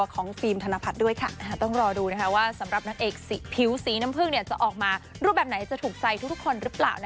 ขอบคุณค่ะพี่ฟิม